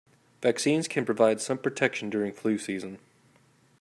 Vaccines can provide some protection during flu season.